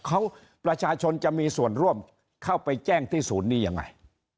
เขาประชาชนจะมีส่วนร่วมเข้าไปแจ้งที่ศูนย์นี้ยังไง